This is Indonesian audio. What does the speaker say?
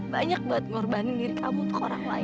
banyak buat ngorbanin diri kamu ke orang lain